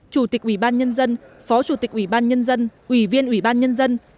chủ tịch ủy ban nhân dân phó chủ tịch ủy ban nhân dân ủy viên ủy ban nhân dân